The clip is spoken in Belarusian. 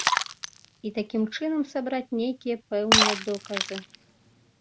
І такім чынам сабраць нейкія пэўныя доказы.